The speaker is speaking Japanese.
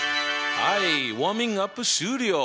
はいウォーミングアップ終了。